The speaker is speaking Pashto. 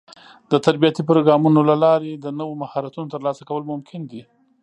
د تربيتي پروګرامونو له لارې د نوو مهارتونو ترلاسه کول ممکن دي.